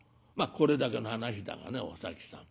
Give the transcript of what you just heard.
これだけの話だがねお崎さん